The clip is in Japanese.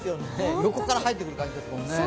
横から入ってくる感じですもんね。